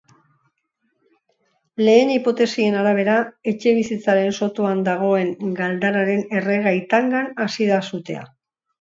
Lehen hipotesien arabera, etxebizitzaren sotoan dagoen galdararen erregai-tangan hasi da sutea.